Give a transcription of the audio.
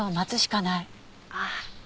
ああ。